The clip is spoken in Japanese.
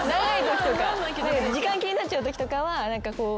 時間気になっちゃうときとかは何かこうフフフ。